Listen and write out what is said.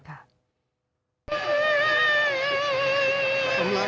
สำหรับสำหรับสำหรับ